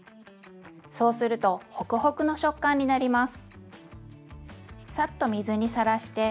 そうするとホクホクの食感になります。